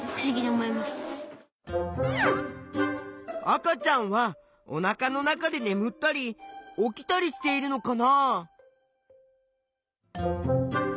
赤ちゃんはおなかの中でねむったり起きたりしているのかな？